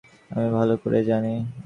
আমি ভালো করেই জানি।